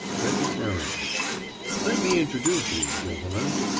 VEGETARIAN: Let me introduce you, gentlemen.